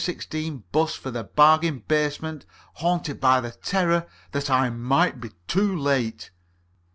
16 'bus for the bargain basement, haunted by the terror that I might be too late.